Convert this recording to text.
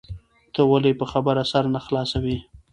ته ولي په خبره سر نه خلاصوې؟